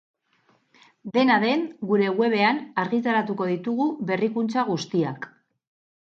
Dena den, gure webean argitaratuko ditugu berrikuntza guztiak.